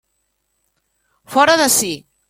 Fora d'ací!